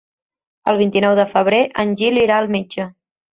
El vint-i-nou de febrer en Gil irà al metge.